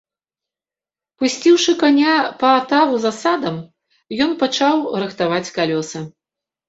Пусціўшы каня па атаву за садам, ён пачаў рыхтаваць калёсы.